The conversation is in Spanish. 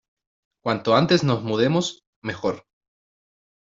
Cuanto antes nos mudemos, mejor.